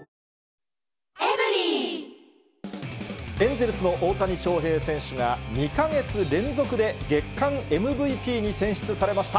エンゼルスの大谷翔平選手が２か月連続で月間ＭＶＰに選出されました。